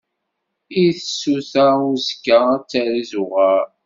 i tsuta uzekka, ad terr izuɣaṛ.